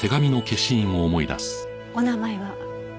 お名前は？